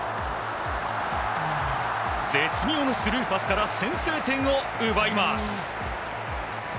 絶妙なスルーパスから先制点を奪います。